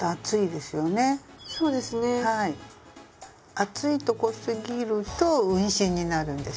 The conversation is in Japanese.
厚いとこすぎると運針になるんですけど。